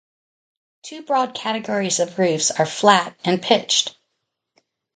Two broad categories of roofs are flat and pitched.